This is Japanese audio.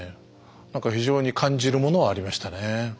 何か非常に感じるものはありましたね。